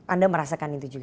anda merasakan itu juga